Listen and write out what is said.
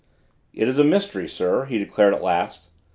"It is a mystery, sir," he declared at last.